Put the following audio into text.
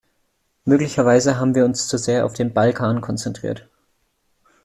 Möglicherweise haben wir uns zu sehr auf den Balkan konzentriert.